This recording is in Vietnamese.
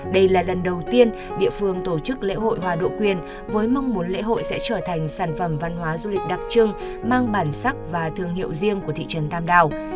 đây là lần đầu tiên địa phương tổ chức lễ hội hòa độ quyền với mong muốn lễ hội sẽ trở thành sản phẩm văn hóa du lịch đặc trưng mang bản sắc và thương hiệu riêng của thị trấn tam đảo